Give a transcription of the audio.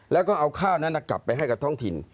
แล้วก็เอาค่ากับกลับจะให้ต้องถิ่น